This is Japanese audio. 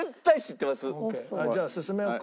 じゃあ進めようか。